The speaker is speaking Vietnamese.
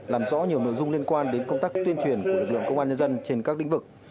làm rõ nhiều nội dung liên quan đến công tác tuyên truyền của lực lượng công an nhân dân trên các lĩnh vực